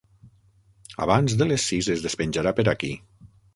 Abans de les sis es despenjarà per aquí.